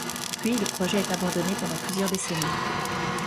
Puis le projet est abandonné pendant plusieurs décennies.